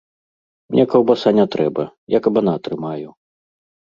Мне каўбаса не трэба, я кабана трымаю!